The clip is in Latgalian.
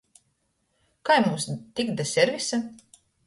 Kai mums tikt da servisa?